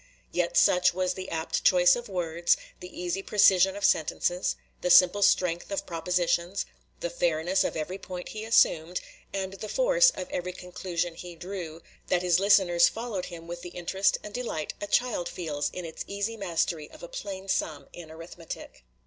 Yet such was the apt choice of words, the easy precision of sentences, the simple strength of propositions, the fairness of every point he assumed, and the force of every conclusion he drew, that his listeners followed him with the interest and delight a child feels in its easy mastery of a plain sum in arithmetic.